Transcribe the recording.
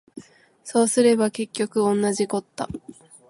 そうすれば結局おんなじこった